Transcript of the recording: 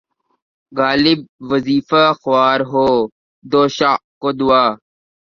غالبؔ! وظیفہ خوار ہو‘ دو شاہ کو دعا